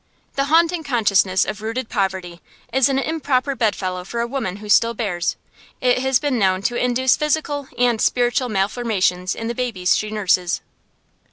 The haunting consciousness of rooted poverty is an improper bedfellow for a woman who still bears. It has been known to induce physical and spiritual malformations in the babies she nurses.